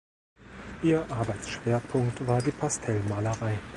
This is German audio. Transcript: Ihr Arbeitsschwerpunkt war die Pastellmalerei.